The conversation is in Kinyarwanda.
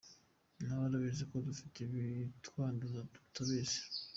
Na we arabizi ko dufite ibitwanduza tutabizi.